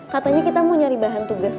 katanya kita mau nyari bahan tugas